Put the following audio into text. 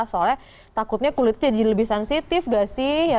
soalnya takutnya kulit jadi lebih sensitif gak sih ya kan